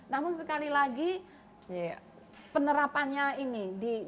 namun sekali lagi penerapannya ini